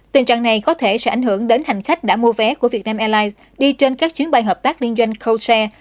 tình trạng này có thể sẽ ảnh hưởng đến hành khách đã mua vé của việt nam airlines đi trên các chuyến bay hợp tác liên doanh colshare